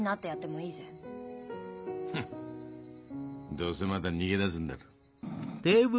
どうせまた逃げ出すんだろ。